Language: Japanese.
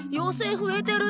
増えてるし。